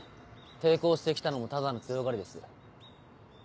抵抗してきたのもただの強がりです。